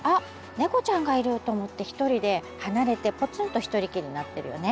猫ちゃんがいると思ってひとりで離れてポツンとひとりきりになってるよね。